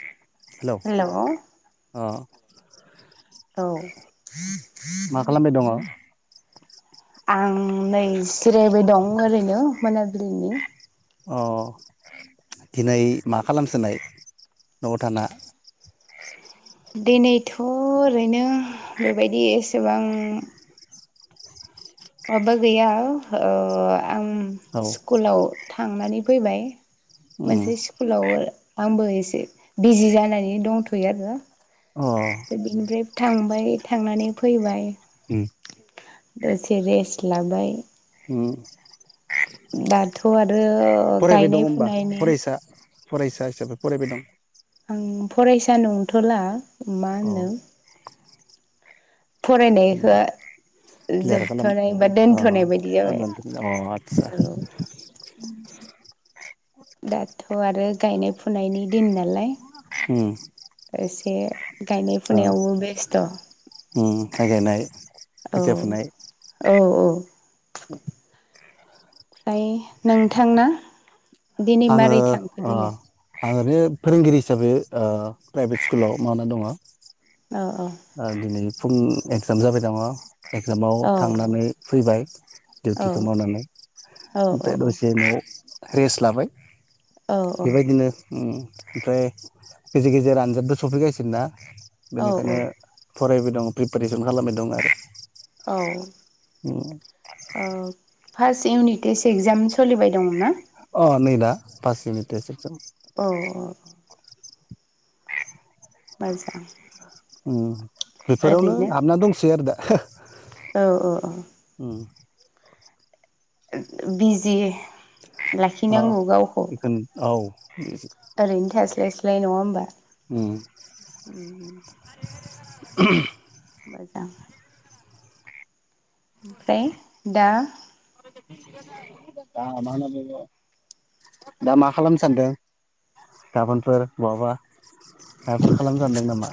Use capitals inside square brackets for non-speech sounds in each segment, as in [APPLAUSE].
[INAUDIBLE] Hello hello औ अ मा खालामबाय दङ आं नै जिरायबाय दं ओरैनो मोनाबिलिनि अ दिनै मा खालामसोनाय न'आव थाना दिनैथ ओरैनो बेबायदि एसेबां अबा गैया ओ आं औ स्कुलाव थांनानै फैबाय उम मोनसे स्कुलाव आंबो एसे बिजि जानानै दंथयो आरो अ बुनिफ्राय थां ओमफ्राय थांनानै फैबाय उम दसे रेस्ट लाबाय उम दाथ आरो फरायबाय दं गायनाय होमबा फुनायनि फरायसा फरायसा हिसाबै फरायबाय दं आं फरायसा नंथला मा अ होनो उम फरायनायखो क्लियार खालाम जोबथनाय बा अ दोनथनाय बायदि जाबाय अ आतसा औ [UNINTELLIGIBLE] दाथ आरो गायनाय फुनायनि दिन नालाय उम से गायनाय फुनायावबो बेस्थ । माय गायनाय औ खोथिया फुनाय औ औ ओमफ्राय नोंथांना दिनै मारै थांखो दिना? आङो बै फोरोंगिरि हिसाबै ओ प्राइभेट स्कुलाव मावना दङ औ । आ दिनै फुं एक्जाम जाबाय दङ । एक्जामाव औ थांनानै फैबाय औ दिउटिखौ मावनानै औ ओमफ्राय औ दसे उनाव रेस्ट लाबाय औ बेबायदिनो उम ओमफ्राय गेजेर गेजेर आनजादबो सफैगासिनोना? औ बेनिखायनो फरायबाय दं प्रिपारेसन खालामबाय दं आरो । औ औ फार्स्ट इउनिट टेस्ट एक्जाम सोलिबाय दंमोन ना? अ नै दा फारस इउनिटेस इगजाम औ औ बाजजांं [INAUDIBLE] अम बेफोरावनो हाबना दंसै आरो दा । हो [INAUDIBLE] औ औ औ बि [INAUDIBLE] बिजि अ लाखिनांगौ गावखौ बेखौनो औ ओरैनो थास्लाय सालाय जायो नङा होमबा? उम [INAUDIBLE] मोजां ओमफ्राय दा दा मा होनना बुङो दा मा खालामनो सानदों गाबोनफोर बहाबा माबाफोर खालामनो सानदों नामा?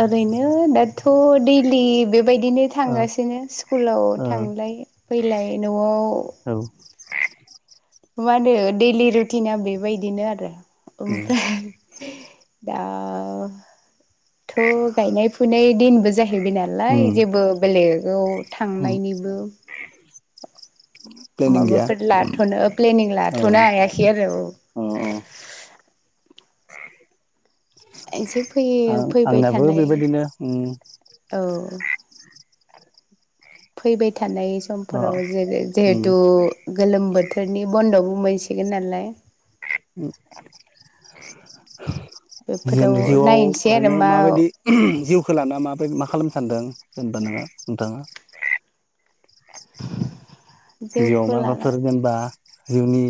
ओरैनो दाथ' दैलि बे बायदिनो ओ थांगासिनो स्कुलाव ओ थांलाय फैलाय न'आव औ मा होनो दैलि रुटिना बेबायदिनो आरो उम ओमफ्राय दा थ' गायनाय फुनाय दिनबो जाह हैबाय नालाय उम जेबो बेलेग अ उम थांनायनिबो प्लेनिं गैया माबाफोर लाथ'नो प्लेनिं अ लाथ'नो हायाखै आरो औ औ एसे फैयो फैबाय थानाय बेबायदिनो उम औ फैबाय था नाय अ समफोराव जै उम जिहेथु गोलोम बोथोरनि बन्द' मानसिगोनलाय उम जों बेफोराव जिउआव नायनोसै आरो ओरैनो मा माबायदि जिउखौ लाना माबायदि मा खालाम सानदों जेनेबा नोङा नोंथाङा बेयाव जौखौ लाना माबाफोर जेनबा जिउनि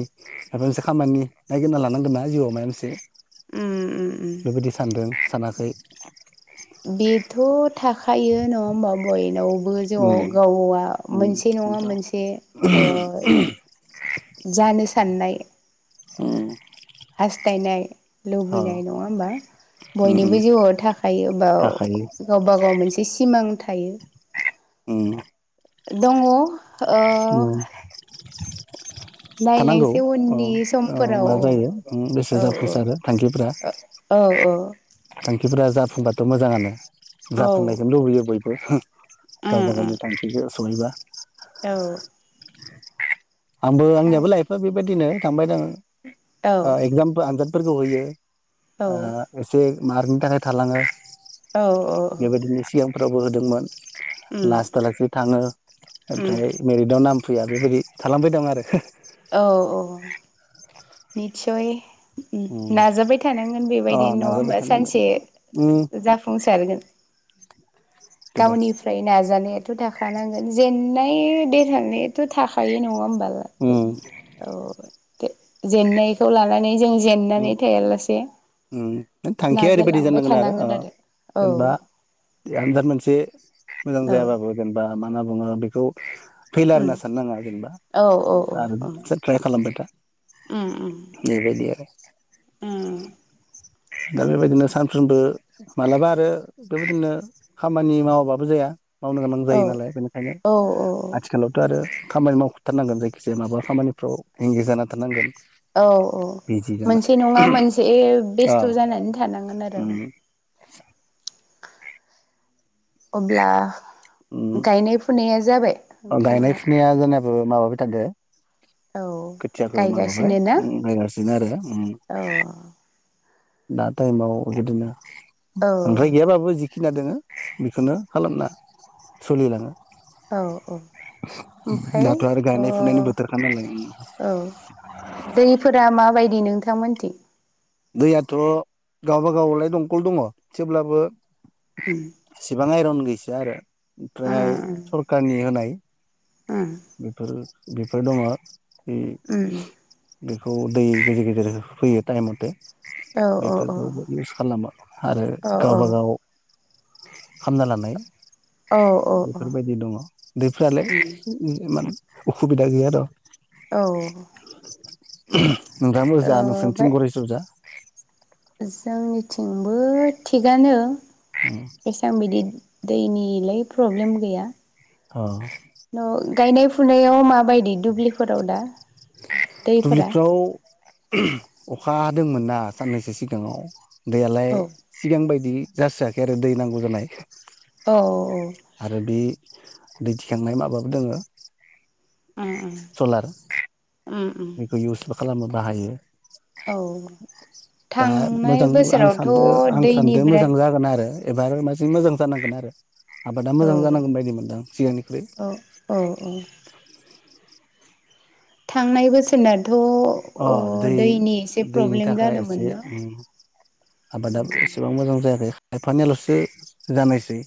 माबा मोनसे खामानि नायगिरना लानांगोन ना जिउआव माबा मोनसे उम उम उम बेबायदि सानदों सानाखै बेथ' थाखायो नङा होमबाब बयनाव बो जौआव उम गाव गावा उम मोनसे नङा बेनोथ' मोनसे ओ जानो सानना उम यास थायनाय अ लुबैनाय नङा होमबा उम उम बयनिबो जिउआव थाखायो बा थाखायो गावबा गाव मोनसे सिमां था [INAUDIBLE] उम दङ ओ उम थानांगौ नायलायनोसै औ उननि औ समफोराव मा जायो बेसे औ जाफुंसारो थांखिफ्रा औ थां खिफ्रा जाफुंबाथ' मोजाङानो औ जाफुंनायखौनो लुबैयो बय [INAUDIBLE] उम गावबा गावनि उम थांखिखौ सहैबा औ आंबो थां आंनियाबो लाइफआ बेबायदिनो थांबाय दङो औ ओ एक्जामपबो आनजाद फोरखौ होयो। औ ओ एसे मार्किनि थाखाय थालाङो । औ औ औ फोरावबो होदोंमोन । लासटा लासै थाङो । उम ओमफ्राय मेरिटाव नाम [UNINTELLIGIBLE] बे बादि खालामबोदों आरो । औ औ निस्सय उम नाजाबाय थानांगोन अ बेबायदि नङा नाजाबाय होमबा थानांगोन सानसे उम जाफुंसारगोन । बिदिबा गावनिफ्राय नाजानायाथ' थाखानांगोन जेननाय देरहानायाथ' थाखायो नङा होमबालाय उम औ जेननायखौ लानानै जों जेननानै ओम थायालासे थांखिया ओरैबायादि नाजालांबाय जानांगोन आरो अ थानांगोन आरो औ जेनेबा आनजाद मोनसे मोजां औ जायाबाबो जेनेबा मा होनना बुङो बेखौ फैलयार उम होनना साननाङा औ जेनेबा औ आरो औ उम ट्राय खालामबाय था । बे बादि आरो [INAUDIBLE] ओम दा बेबायदिनो सानफ्रोमबो मालाबा आरो बेबायदिनो खामानि मावाबाबो जाया मावनो गोनां औ जायो नालाय बेनिखायनो औ आथिखालावथ' आरो खामानि मावथारनांगोन जायखिजाया माबा खामानिफ्राव एंगेज जाना थारनांगोन औ औ मोनसे नङा मोनसे बेस्थ' जानानै थानांगोन आरो अब्ला गायनाय फुनाया जाबाय अ गायनाय नोंथाङा फुनाया जोंना ओ माबाबाय थादों औ खोथियाखौ माबाबाय गायगासिनो ना नायगासिनो आरो औ दा टाइमाव बिदिनो औ ओमफ्राय गैयाबाबो जि फिना दोङो बेखौनो खालामना सोलिलाङो औ औ ओमफ्राय दाथ' आरो औ गायनाय फुनायनि बोथोरखा नालाय दैफोरा माबायदि दि नोंथांमोनथि दैयाथ' गावबागावलाय दंखल दङ थेवब्लाबो उम इसिबां आइरन गै या आरो ओमफ्राय उम सरखारनि होनाय उम बेफोर बेफोर दङ ए उम बेखौ दै गेजेर गेजेर होफैयो टाइम मथे औ औ औ बेफोरखौबो इउस खालामो आरो औ गावबागाव हामना लानाय औ औ औ बेफोरबायदि दङ दैफ्रालाय म असुबिदा गैयााथ' औ [INAUDIBLE] नोंथाङ मोजां जा ओमफ्राय नोंसोरनिथिं गरेस्र जा जोंनिथिंबो थिगानो बेसां बिदि दैनिलाय प्रब्लेम गैया औ न' गायनाय फुनायाव माबायदि दुब्लिफोराव दा दैफोरा दुब्लिफ्राव अखा हादोंमोन ना साननैसो सिगाङाव दैयालाय औ सिगां बायदि जासोआखै आरो दै नांगौ जानाय। औ औ आरो बि दै दिखांनाय माबाबो दोङो। उम उम सलार उम उम बेखौ इउस खालामनो बाहायो औ दा थांनाय मोजां आं बोसोरावथ' सानदो आं दैनि सानदो मोजां बिराद जागोन आरो एबार माजों मोजां जानांगोन आरो आबादा औ मोजां जानांगोन बायदि मोनदां सिगांनिख्रुइ औ औ थांनाय बोसोरना अ दै दैनि प्रब्लेम थाखाय जादोंमोन एसे न' आबादा उम एसेबां मोजां जायाखै खायफानियाल'सो जानायसै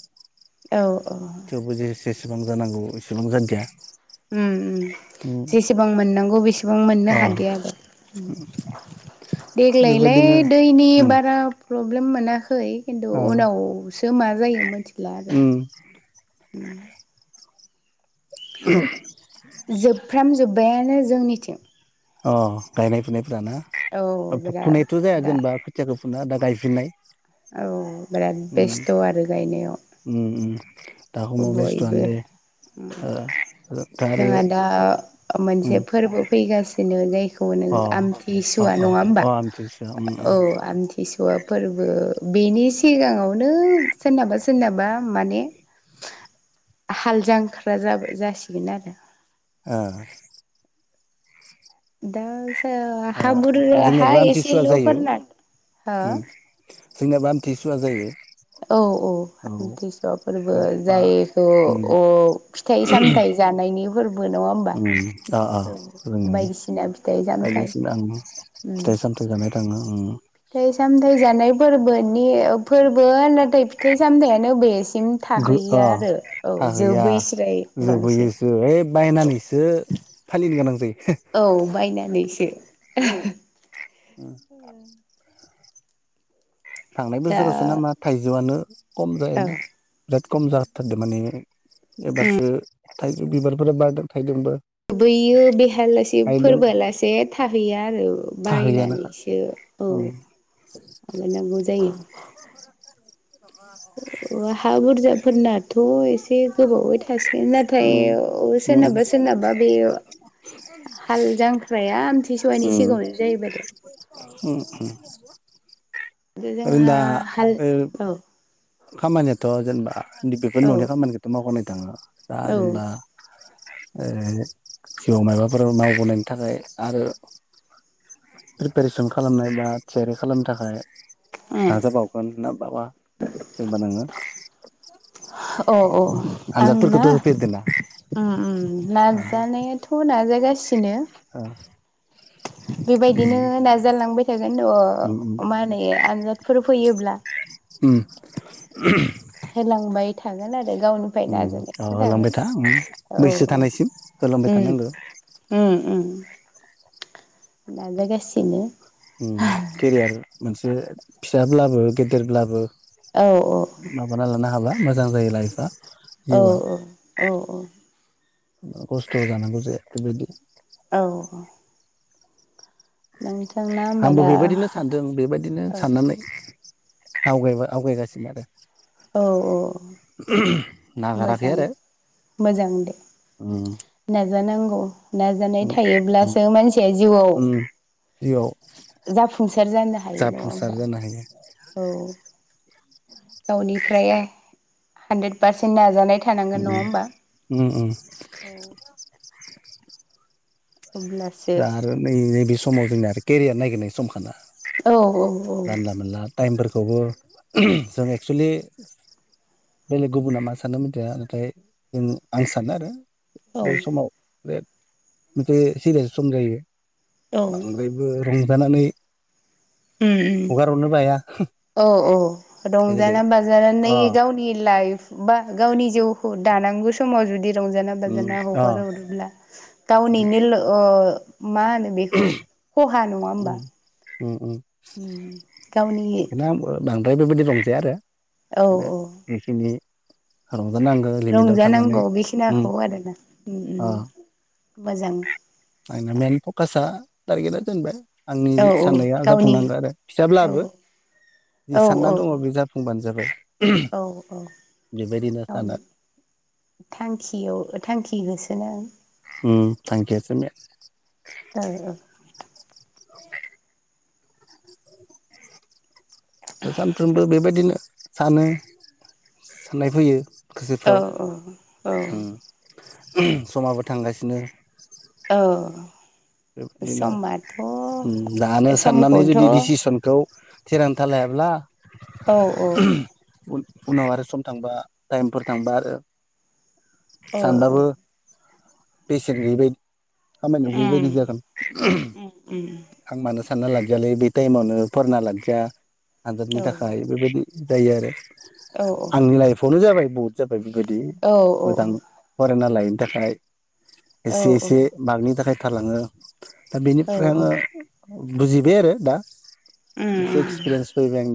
औ औ थेवबो जे जेसेबां जानांगौ एसेबां जादिया उम उम उम जेसेबां मोननांगौ बेसेबां मोननो अ हादिया आरो देग्लायलाय बेबायदिनो दैनि उम बारा प्रब्लेम मोनाखै खै खिन्थु अ उनावसो मा जायो मोनथिला आरो। उम उम [INAUDIBLE] बायानो जोंनिथिं अ गायनाय फुनाय फुराना औ बिराद फुथ'नायथ' जाया दा जेनेबा खोथियाखौ फुना दा गायफिननाय औ बिराद उम बेस्थ' आरो गायनायाव उम उम दा समाव बयबो बेस्थ'आनो दे ओ दा आरो जोंहा दा उम मोनसे फोरबो फैगासिनो जाय होनो अ अ आमथिसुवा अ नङा होमबा अ आमथिसुवा उम उम औ आमथिसुवा फोरबो बेनि सिगाङावनो सोरनाबा सोरनाबा माने हाल जांख्रा जा जासिगोन आरो ओ दा ओ हा बुरजा हा जोंनियाबो आमथिसुवा जायो एसेल'फोरना हो ओम जोंनियाबो आमथि सुवा जायो औ औ आमथिसुवा फोरबो बा जायखौ उम अ फिथाइ सामथाइ जानायनि फोरबो नङा होमबा ओ‌ औ रोंनि बायदिसिना फिथाइ सामथाइ बायदिसिना ओं उम फिथाइ सामथाइ जानाय थांनो ओम फिथाइ सामथाइ जानाय फोरबोनि फोरबो फिथाइ फिथाइ सामथायानो बेसिम गो अ थाहैया आरो औ थाहैया जोबैस्राय बांसिन जोबहैयोसो ओइ औ बायनानैसो फालिनो गोनां जायो औ बायनानैसो [INAUDIBLE] उ थांनाय दा बोसोरावसो ना मा थाइजौआनो खम जायो औ बिराद खम जाथारदों माने एबारसो थाइजौ बिबारफोरा बारदों थाइदोंबो बैयो बेहालासे थायदों फोरबोआलासे थाहैया आरो थाहैयानोखा बायनानैसो औ उम माव नांगौ जायो हा बुरजाफोरनाथ' एसे गोबावै थासिगोन नाथाय उम सोरनाबा उम सोरनाबा बेयो हाल जांख्राया आमथिसवानि उम सिगांङावनो उम जाहैबाय ओरैनो जोंहा दा ओ बारु [UNINTELLIGIBLE] खामानियाथ' जेनेबा बेफोर औ न'नि खामानिखौथ' [UNINTELLIGIBLE] दांङा दा औ जेनेबा ओ जिउआव माबाफोर मावबोनायनि थाखाय आरो प्रिपेरेसन खालामनाय बा थियारि खालामनो थाखाय उम नाजा बावगोन ना [UNINTELLIGIBLE] जेबा नोंङो अ - अ आंना होफेरदोंना ओम - ओम नाजानायाथ' नाजायो रासिनो औं बेबायदिनो नाजालांबाय थागोन उम अ मा होनो आनजादफोर फैयोब्ला उम होलांबाय थागोन आरो गावनिफ्राय उम औ अ नाजालांबाय ओ नाजानायथ' होलांबाय थागोन था औ बैसो औ थानायसिम होलांबाय उम थानांगौ उम उम नाजागासिनो उम केरियार मोनसे फिसाब्लाबो गेदेरब्लाबो औ माबाना लानो हाब्ला मोजां जायो लाइफआ औ - जिउआ औ - औ उम खस्थ' जानांगौ जायो बेदि औ नोंथांना होमबा आंबो दा बेबायदिनो सानदों बेबायदिनो औ साननानै आवगाय आवगायगासिनो आरो औ - औ नागाराखै आरो मोजां- मोजां दे उम [UNINTELLIGIBLE] जानांगौ नाजानाय उम थायोब्लासो मानसिया जिउआव उम जिउआव जाफुंसार जानो हायो नङा जाफुंसार होमबा जानो हायो औ गावनिफ्राय हानद्रेद पारसेन नाजानाय थानांगोन उम नङा होमबा उम उम [INAUDIBLE] औ अब्लासो दा आरो नै नैबे समाव जोंना आरो केरियार नायगिरनाय समखाना औ औ जानला औ मोनला टाइमफोर खौबो जों एक्सुलि बेलेग गुबुना मा सानो मिथि नाथाय जों आं सानो आरो बे औ समाव बे बे [UNINTELLIGIBLE] सम जायो औ उम बांद्रायबो रं जानानै उम उम औ औ गोदै रंजाना बाजानानै अ गावनि लाइफ बा गावनि जिउखौ दानांगौ समाव जुदि रंजाना उम बाजाना अ हगारहरोब्ला बिदि गावनिनोल मा होनो बेखौ खहा नङा उम होमबा उम उम उम गावनि बेखौनो आंबो बांद्राय बेबायदि रंजाया आरो औ खोनो औ बेखनि हारं रंजानांगौ बेखिनाखौ आरोना अ मोजां आंना मेन पकासा टारगेटआ जेनबाय आंनि औ औ साननाया गावनि जाफुंनांगो आरो औ फिसाब्लाबो जि औ सानना औ दङ बे जाफुंबानो जाबाय [UNINTELLIGIBLE] औ औ बेबायदिनो सानो गावनि थांखियाव थांखि होसो दोनो उम थांखियासो मे दायो औ [UNINTELLIGIBLE] सानफ्रोमबो बेबायदिनो सानो साननाय फैयो औ गोसोफ्राव औ औ उम समाबो थांगासिनो औ बेबायदिनो समाथ' दानो साननानै समखौथ' जुदि डिसिसनखौ थिरांथा लायाब्ला औ औ उनाव आरो सम थांबा टाइमफोर थांबा आरो औ औ बैसो उम गैयैबायदि उम उम [UNINTELLIGIBLE] आं मानो सानना लादियालै बे टाइमावनो फरायना लादिया हादोरनि औ थाखाय बेबायदि जायो आरो औ आंनि लाइफआवनो जाबाय बहुत जाबाय बेफोर बायदि औ मोजां फरायना लायो थाखाय औ एसे एसे बागनि थाखाय थालाङो दा औ औ बेनिफ्राय आङो उम बुजिबाय आरो दा । एसे उम एक्सपिरियेन्स फैबाय आंनाव ।